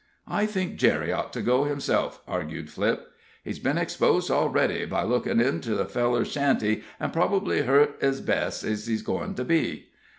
"I think Jerry ought to go himself," argued Flipp. "He's been exposed already, by lookin' in to the feller's shanty, an's prob'bly hurt ez bad as he's goin' to be."